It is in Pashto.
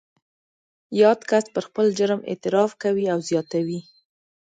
یاد کس پر خپل جرم اعتراف کوي او زیاتوي